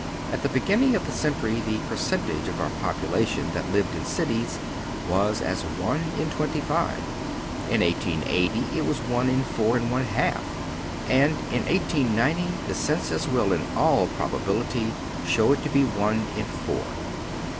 At the beginning of the century the percentage of our population that lived in cities was as one in twenty five. In 1880 it was one in four and one half, and. in 1890 the census will in all prob ability show it to be one in four.